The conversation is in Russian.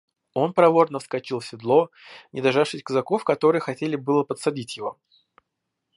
Он проворно вскочил в седло, не дождавшись казаков, которые хотели было подсадить его.